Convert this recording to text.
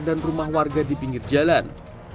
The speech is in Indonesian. dan rumah warga di pinggir jalan